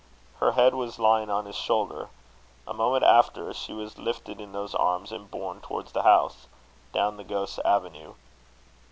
Her head was lying on his shoulder. A moment after, she was lifted in those arms and borne towards the house, down the Ghost's Avenue.